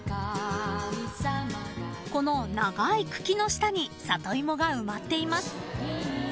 ［この長い茎の下にサトイモが埋まっています］